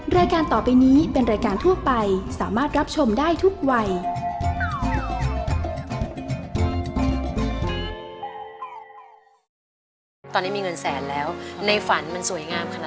รายการต่อไปนี้เป็นรายการทั่วไปสามารถรับชมได้ทุกวัย